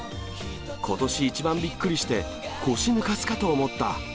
ことし一番びっくりして、腰抜かすかと思った。